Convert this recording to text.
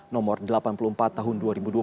nomor delapan puluh empat tahun dua ribu dua puluh